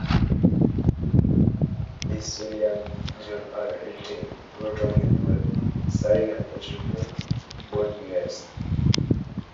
The historian John R. Elting wrote of the duel, stating Unfortunately, both missed.